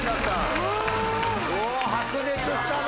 お白熱したな！